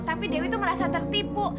tapi dewi itu merasa tertipu